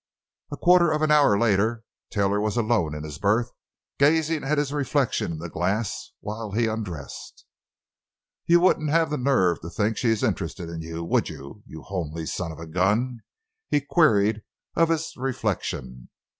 A quarter of an hour later Taylor was alone in his berth, gazing at his reflection in the glass while he undressed. "You wouldn't have the nerve to think she is interested in you, would you—you homely son of a gun?" he queried of his reflection.